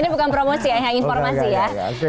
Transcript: ini bukan promosi ya hanya informasi ya